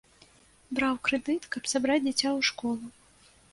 Браў крэдыт, каб сабраць дзіця ў школу.